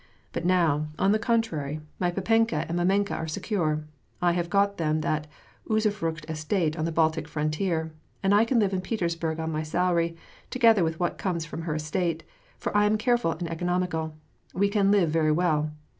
But now, on the contranr, my papenka and mamenka are secure. I have got them tnat usufruct estate on the Baltic frontier, and I can live in Petersburg on my salary, together with what comes from her estate, for I am careful and economical. We can live very well.